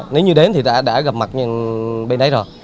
nếu như đến thì đã gặp mặt bên đấy rồi